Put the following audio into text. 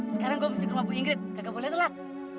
sekarang gue mesti ke rumah bu ingrid nggak boleh telat